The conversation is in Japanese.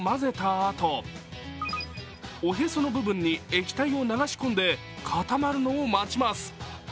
あとおへその部分に液体を流し込んで固まるのを待ちます。